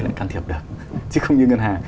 lại can thiệp được chứ không như ngân hàng